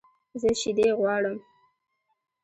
زه شیدې غواړم